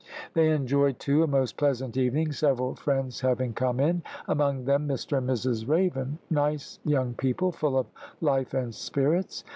They enjoyed, too, a most pleasant evening, several friends having come in, among them Mr and Mrs Raven, nice young people, full of life and spirits.